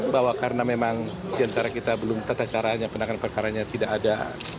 bahwa karena memang diantara kita belum tata cara penanganan perkara yang tidak ada